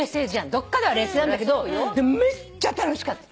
どっかでは冷静なんだけどでもめっちゃ楽しかった！